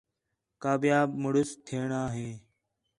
کامیاب مُݨس تِھیݨاں ہِے